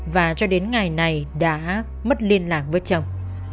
và cho đến ngày này đã mất liên lạc với chồng